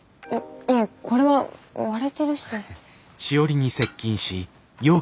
いえこれは割れてるし。